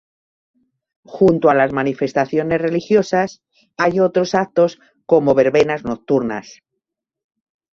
Junto a las manifestaciones religiosas, hay otros actos como verbenas nocturnas.